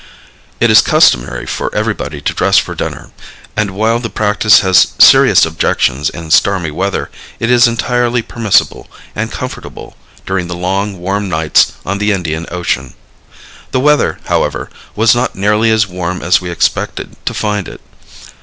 It is customary for everybody to dress for dinner, and, while the practice has serious objections in stormy weather it is entirely permissible and comfortable during the long, warm nights on the Indian Ocean. The weather, however, was not nearly as warm as we expected to find it.